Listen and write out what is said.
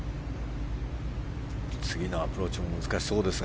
次のアプローチも難しいですが。